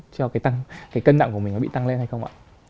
cho cái tăng cái cân nặng của mình nó bị tăng lên hay không ạ